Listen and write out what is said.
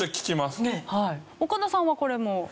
岡田さんはこれも？